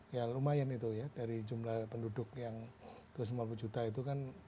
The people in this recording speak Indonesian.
ya lumayan itu ya dari jumlah penduduk yang dua ratus lima puluh juta itu kan